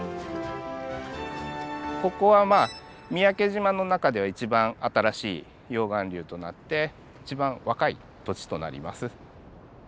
ここはまあ三宅島の中では一番新しい溶岩流となって一番若い土地となります。